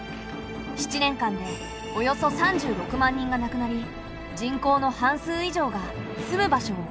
７年間でおよそ３６万人がなくなり人口の半数以上が住む場所を追われた。